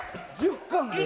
１０貫で？